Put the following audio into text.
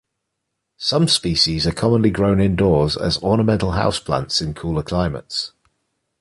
Some species are commonly grown indoors as ornamental houseplants in cooler climates.